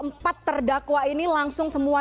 empat terdakwa ini langsung semua